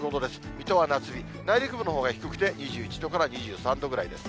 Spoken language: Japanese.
水戸は夏日、内陸部のほうが低くて２１度から２３度ぐらいです。